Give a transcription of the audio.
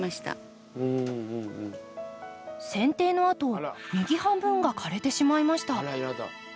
せん定のあと右半分が枯れてしまいました。